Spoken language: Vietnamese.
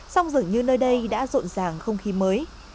sông rửa như nơi đây đã rộn ràng không khí mới